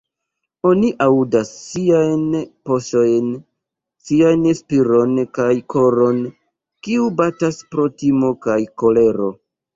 Oni aŭdas siajn paŝojn, sian spiron, sian koron, kiu batas pro timo kaj kolero...